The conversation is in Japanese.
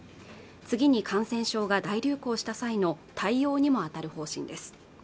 次に感染症が大流行した際の対応にも当たる方針です